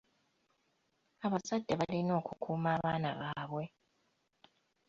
Abazadde balina okukuuma abaana baabwe.